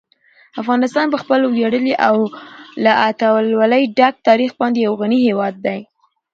افغانستان په خپل ویاړلي او له اتلولۍ ډک تاریخ باندې یو غني هېواد دی.